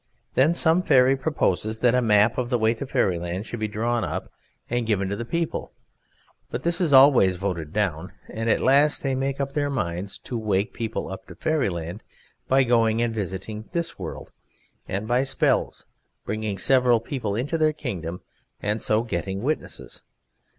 Then some fairy proposes that a map of the way to Fairyland should be drawn up and given to the people; but this is always voted down; and at last they make up their minds to wake people up to Fairyland by going and visiting this world, and by spells bringing several people into their kingdom and so getting witnesses.